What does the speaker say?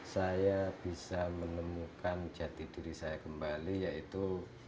saya bisa menemukan jati diri saya kembali yaitu